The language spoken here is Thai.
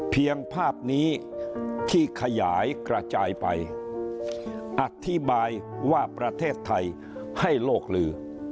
ภาพนี้ที่ขยายกระจายไปอธิบายว่าประเทศไทยให้โลกลือ